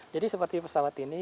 jadi seperti pesawat ini